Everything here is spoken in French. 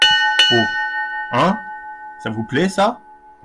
Haut. hein ! ça vous plaît, ça ?